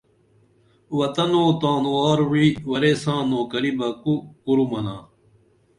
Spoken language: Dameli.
وطن اُو تانوار وعی ورے ساں نوکری بہ کو کُرُمنا